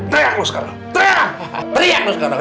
teriak lu sekarang teriak teriak lu sekarang